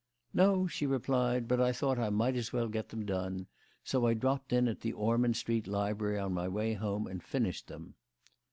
"No," she replied; "but I thought I might as well get them done. So I dropped in at the Ormond Street library on my way home and finished them."